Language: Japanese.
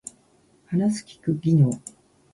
話す聞く技能